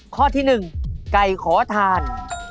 ข้อที่หนึ่งไก่ขอทาน